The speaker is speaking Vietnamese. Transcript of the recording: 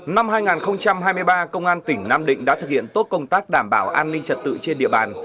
năm hai nghìn hai mươi ba công an tỉnh nam định đã thực hiện tốt công tác đảm bảo an ninh trật tự trên địa bàn